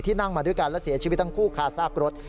นั่งมาด้วยกันและเสียชีวิตทั้งคู่คาซากรถ